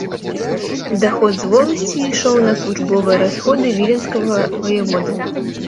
Даход з воласці ішоў на службовыя расходы віленскага ваяводы.